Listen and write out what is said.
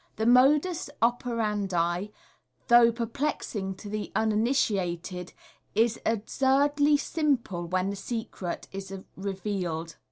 The modus operandi, though perplexing to the uninitiated, is absurdly simple when the secret is revealed.